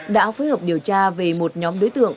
đã phối hợp điều tra về một nhóm đối tượng